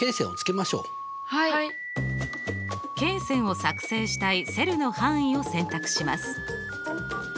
罫線を作成したいセルの範囲を選択します。